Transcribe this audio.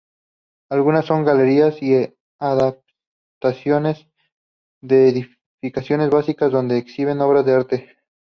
Algunas son galerías o adaptaciones de edificaciones básicas, donde -exhiben- obras de arte.